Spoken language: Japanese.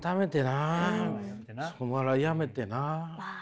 お笑いやめてな。